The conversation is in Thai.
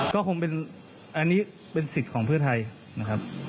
ก็คงเป็นอันนี้เป็นสิทธิ์ของเพื่อไทยนะครับ